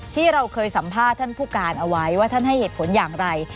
ที่เราเคยสัมภาษณ์ท่านผู้การเอาไว้ว่าท่านให้เหตุผลอย่างไร